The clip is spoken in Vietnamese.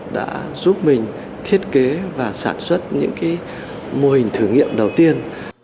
đã giúp mình thiết kế và sản xuất những mô hình thử nghiệm đầu tiên